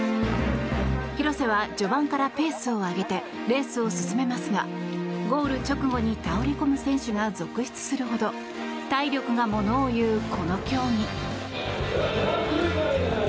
廣瀬は序盤からペースを上げてレースを進めますがゴール直後に倒れ込む選手が続出するほど体力がものをいうこの競技。